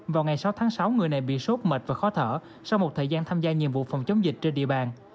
vào ngày sáu tháng sáu người này bị sốt mệt và khó thở sau một thời gian tham gia nhiệm vụ phòng chống dịch trên địa bàn